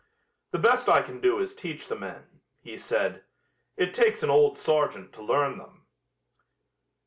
"The best I can do is teach the men," he said. "It takes an old sergeant to learn them."